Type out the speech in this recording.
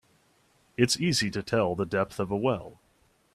It's easy to tell the depth of a well.